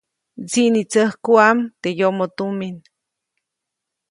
Mdsiʼnitsäjkuʼam teʼ yomoʼ tumin.